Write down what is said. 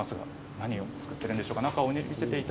何を作っているんですか。